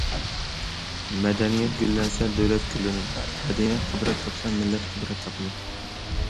مەدەنىيەت گۈللەنسە دۆلەت گۈللىنىدۇ، مەدەنىيەت قۇدرەت تاپسا مىللەت قۇدرەت تاپىدۇ.